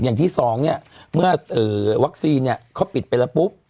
อย่างที่สองเนี่ยเมื่อวัคซีนเนี่ยเขาปิดไปแล้วปุ๊บ